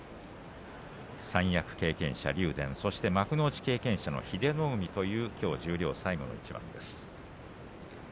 三役経験者、竜電そして幕内経験者の英乃海というきょう十両最後の一番です。